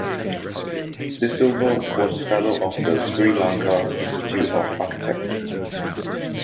De Silva was a fellow of the Sri Lanka Institute of Architects.